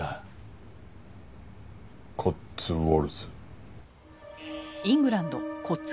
コッツウォルズ。